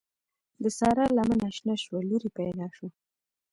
د سارا لمنه شنه شوه؛ لور يې پیدا شوه.